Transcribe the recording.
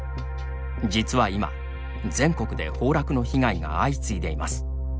実は今、全国で崩落の被害が相次いでいます。